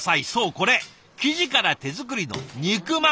これ生地から手作りの肉まん。